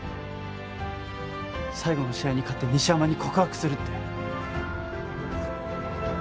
最後の試合に勝って西山に告白するって。